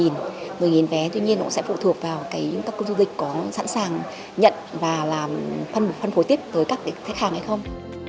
tuy nhiên cũng sẽ phụ thuộc vào các doanh nghiệp du lịch có sẵn sàng nhận và phân phối tiếp với các khách hàng hay không